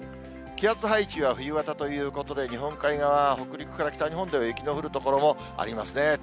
気圧配置は冬型ということで、日本海側、北陸から北日本では雪の降る所もありますね。